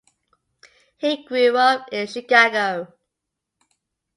He grew up in Chicago.